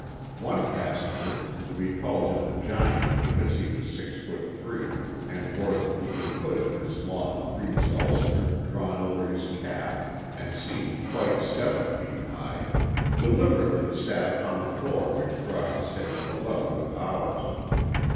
One passenger we called him the Giant because he was six feet three and wore the peaked hood of his long frieze ulster drawn over his cap, and seemed quite seven feet high deliberately sat upon the floor which brought his head to a level with ours.